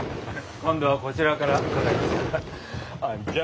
今度はこちらから伺います。